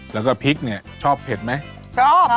แล้วก็พริกเนี่ยชอบเผ็ดไหมชอบ